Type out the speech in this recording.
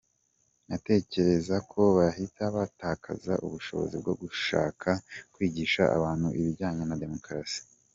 Nkatekereza ko bahita batakaza ubushobozi bwo gushaka kwigisha abantu ibijyanye na demokarasi.